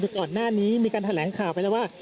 คือก่อนหน้านี้มีการแถลงข่าวไปแล้วว่า